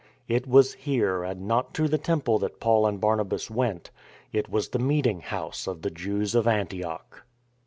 It was here and not to the temple that Paul and Barnabas went. It was the meeting house of the Jews of Antioch.